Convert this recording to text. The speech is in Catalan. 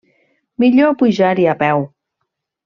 Millor pujar-hi a peu.